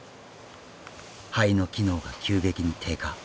肺の機能が急激に低下。